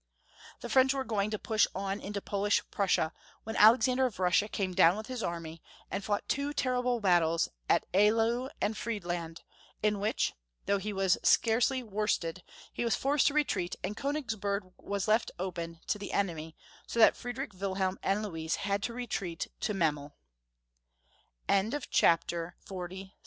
The French were going to push on into Polish Prussia, when Alexander of Russia came down with his army, and fought two terrible battles at Eylau and Friedland, in which, though he was scarcely worsted, he was forced to retreat and Konigsburg was left open to the enemy, so that Friedrich Wilhelm and Louise had to retreat to Meme